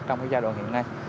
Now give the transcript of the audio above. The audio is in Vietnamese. trong cái giai đoạn hiện nay